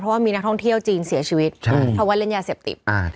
เพราะว่ามีนักท่องเที่ยวชีวิตเชื่อชีวิตใช่เพราะว่าเรียนยาเสพติบอ้าว